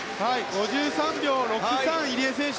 ２０秒６３、入江選手。